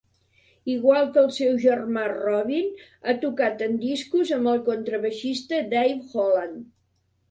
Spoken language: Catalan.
Igual que el seu germà Robin, ha tocat en discos amb el contrabaixista Dave Holland.